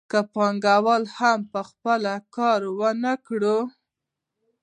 که پانګوال هم په خپله کار ونه کړي